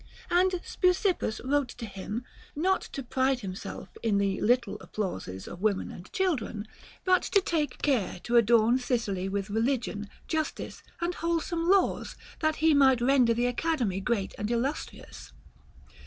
And Speusippus wrote to him, not to pride himself in the little applauses of women and children, but to take care to adorn Sicily with religion, justice, and wholesome laws, that he might render the Academy great and illustrious.